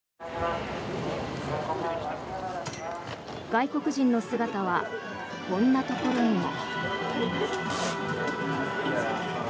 外国人の姿はこんなところにも。